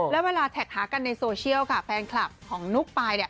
แล้วเวลาแท็กหากันในโซเชียลค่ะแฟนคลับของนุ๊กปาย